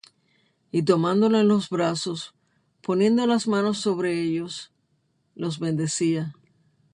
Y tomándolos en los brazos, poniendo las manos sobre ellos, los bendecía.